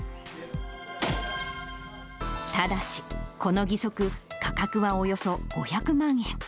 ただし、この義足、価格はおよそ５００万円。